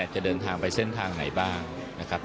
จะเดินทางไปเส้นทางไหนบ้างนะครับ